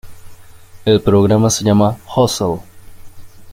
El programa se llamaba 'Hustle'.